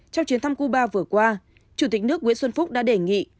trong chuyến thăm cuba vừa qua chủ tịch nước nguyễn xuân phúc đã đề nghị